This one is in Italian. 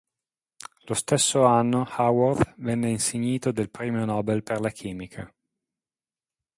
Lo stesso anno Haworth venne insignito del Premio Nobel per la chimica.